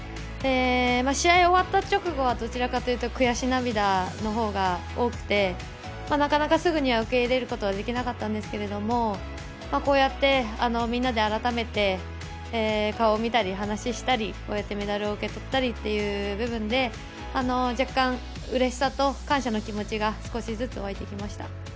試合が終わった直後はどちらかというと悔し涙の方が多くてなかなか、すぐには受け入れることはできなかったんですけどこうやって、みんなで改めて顔を見たり話をしたりこうやってメダルを受け取ったりっていう部分で若干うれしさと、感謝の気持ちが少しずつ沸いてきました。